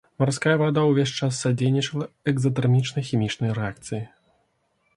Марская вада ўвесь час садзейнічала экзатэрмічнай хімічнай рэакцыі.